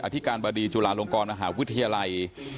ธิการบดีจุฬาลงกรมหาวิทยาลัย